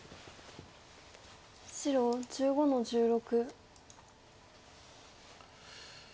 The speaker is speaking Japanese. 白１５の十六。